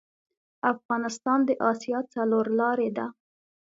افغانستان د اسیا څلور لارې ده